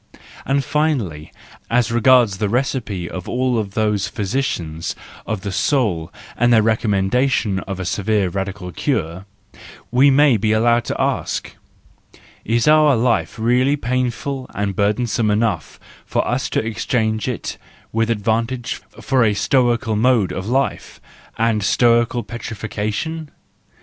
And finally, as regards the recipe of all those physicians of the soul and their recommendation of a severe radical cure, we may be allowed to ask: Is our life really painful and burdensome enough for us to exchange it with advantage for a Stoical mode of life, and Stoical petrification